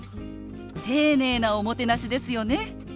丁寧なおもてなしですよね。